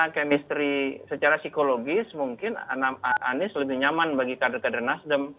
kemistri secara psikologis mungkin anies lebih nyaman bagi kader kader nasdem